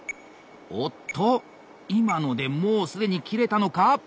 おおっと今のでもう既に切れたのか？